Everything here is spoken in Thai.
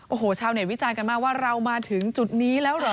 โอ้โหชาวเน็ตวิจารณ์กันมากว่าเรามาถึงจุดนี้แล้วเหรอ